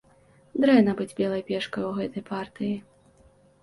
Дрэнна быць белай пешкай у гэтай партыі.